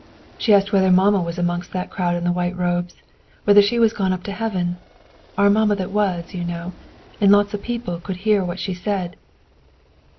"She asked whether mamma was amongst that crowd in the white robes; whether she was gone up to Heaven? Our mamma that was, you know, and lots of people could hear what she said."